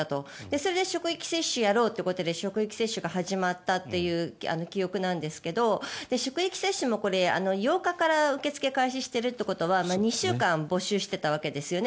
それで職域接種をやろうということで職域接種が始まったという記憶なんですが職域接種も８日から受け付け開始しているということは２週間募集していたわけですよね。